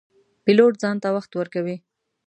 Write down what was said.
پیلوټ ځان ته وخت ورکوي.